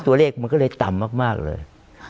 ตัวเลขมันก็เลยต่ำมากเลย